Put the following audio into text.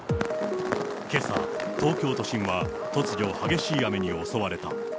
けさ、東京都心は突如激しい雨に襲われた。